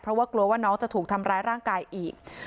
เพราะว่ากลัวว่าน้องจะถูกทำร้ายร่างกายอีก